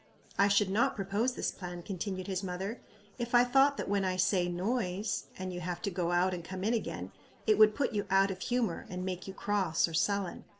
"I should not propose this plan," continued his mother, "if I thought that when I say Noise, and you have to go out and come in again, it would put you out of humor, and make you cross or sullen.